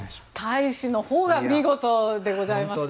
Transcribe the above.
大使のほうが見事でございますね。